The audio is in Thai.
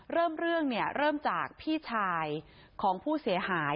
เริ่มเรื่องเนี่ยเริ่มจากพี่ชายของผู้เสียหาย